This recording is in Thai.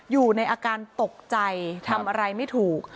อยู่ในอาการตกใจทำอะไรไม่ถูก